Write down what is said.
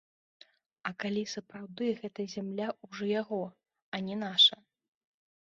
А калі сапраўды гэта зямля ўжо яго, а не наша?